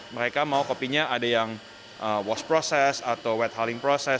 mereka mau kopinya ada yang wash process atau wetholing process